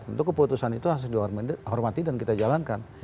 untuk keputusan itu harus dihormati dan kita jalankan